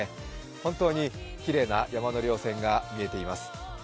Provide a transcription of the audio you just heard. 本当にきれいな山のりょう線が見えています。